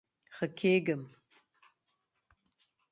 ښه کیږم